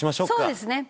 そうですね。